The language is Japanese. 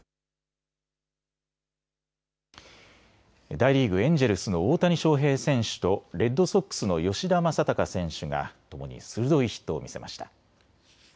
大リーグ、エンジェルスの大谷翔平選手とレッドソックスの吉田正尚選手がともに鋭いヒットを見せました。